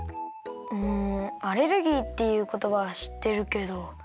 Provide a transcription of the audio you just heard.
うんアレルギーっていうことばはしってるけど。